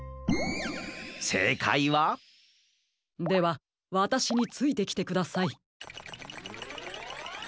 せいかいは？ではわたしについてきてください。